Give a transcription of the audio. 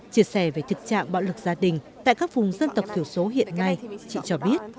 chia sẻ về thực trạng bạo lực gia đình tại các vùng dân tộc thiểu số hiện nay chị cho biết